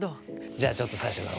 じゃあちょっと最初から。